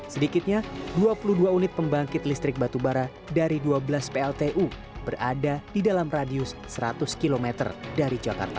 sedikitnya dua puluh dua unit pembangkit listrik batubara dari dua belas pltu berada di dalam radius seratus km dari jakarta